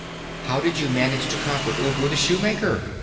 "How did you manage to conquer Ugu the Shoemaker?"